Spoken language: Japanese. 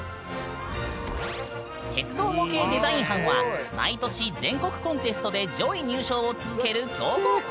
鉄道模型デザイン班は毎年全国コンテストで上位入賞を続ける強豪校。